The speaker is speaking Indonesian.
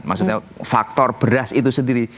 maksudnya faktor beras itu sendiri